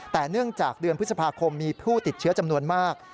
แต่เนื่องจากเดือนพฤษภาคมมีผู้ติดเชื้อจำนวนมาก